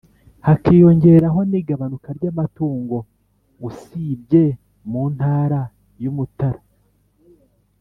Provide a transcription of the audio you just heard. hakiyongeraho n'igabanuka ry'amatungo (usibye mu ntara y'umutara)